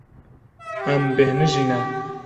Em bêhnijî ne.